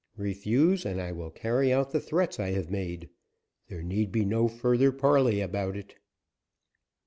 Refuse, and I will carry out the threats I have made. There need be no further parley about it."